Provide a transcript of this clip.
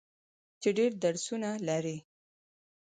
چې ډیر درسونه لري.